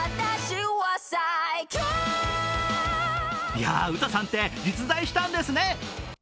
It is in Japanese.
いや、ウタさんって実在したんですね。